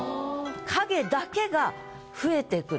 影だけが増えてくる。